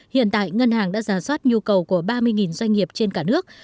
hiện tại ngân hàng đã giả soát nhu cầu của ba mươi doanh nghiệp trên cả nước